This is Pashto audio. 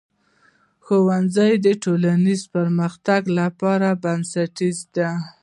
ښوونځی د ټولنیز پرمختګ لپاره بنسټیز دی.